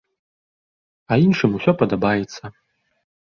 А іншым усё падабаецца.